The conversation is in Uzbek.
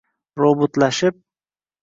Роботлашиб